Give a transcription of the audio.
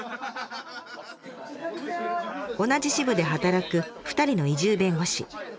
同じ支部で働く２人の移住弁護士。